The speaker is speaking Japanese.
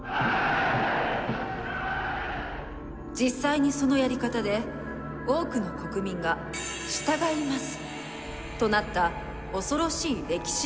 実際にそのやり方で多くの国民が「従います！」となった恐ろしい歴史事実。